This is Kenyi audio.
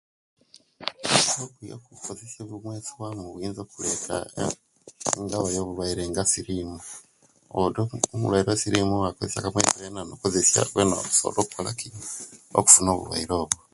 Okukozesya obumweso owamu buyinza okuleta engabz ya'bulwaire nga silimu odi omulwaire we'silimu owakozesya akamweso wena nokozesya wena osobola okukola ki okufuna obulwaire obwo